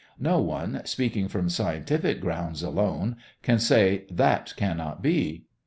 No one, speaking from scientific grounds alone, can say, "That cannot be."